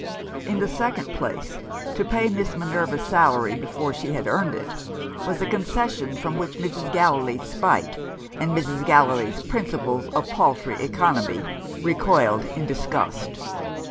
In the second place, to pay Miss Minerva's salary before she had earned it, was a concession from which Mrs. Gallilee's spite, and Mrs. Gallilee's principles of paltry economy, recoiled in disgust.